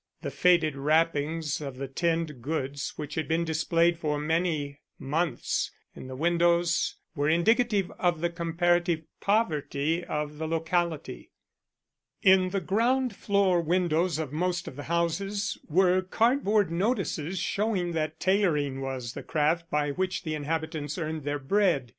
The faded wrappings of the tinned goods which had been displayed for many months in the windows were indicative of the comparative poverty of the locality. In the ground floor windows of most of the houses were cardboard notices showing that tailoring was the craft by which the inhabitants earned their bread.